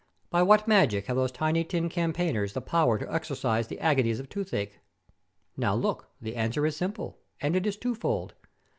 By what magic have those tiny tin campaigners the power to exorcise the agonies of toothache? Now look; the answer is simple, and it is twofold.